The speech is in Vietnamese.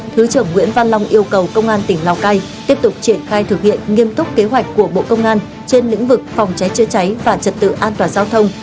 thứ trưởng nguyễn văn long yêu cầu công an tỉnh lào cai tiếp tục triển khai thực hiện nghiêm túc kế hoạch của bộ công an trên lĩnh vực phòng cháy chữa cháy và trật tự an toàn giao thông